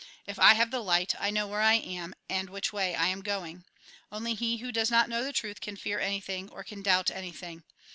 If I have the light, I know where I am, and which way I am going. Only he who does not know the truth can fear anything, or can doubt anything.